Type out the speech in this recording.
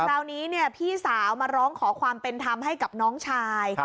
คราวนี้พี่สาวมาร้องขอความเป็นธรรมให้กับน้องชาย